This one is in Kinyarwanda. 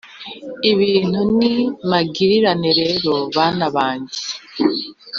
Ibintu ni magirirane rero bana bange